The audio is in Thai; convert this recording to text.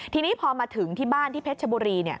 ทีนี้พอมาถึงที่บ้านที่เพชรชบุรี